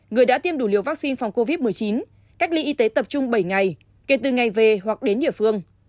người đã tiêm đủ liều vaccine phòng covid một mươi chín cách ly y tế tập trung bảy ngày kể từ ngày về hoặc đến địa phương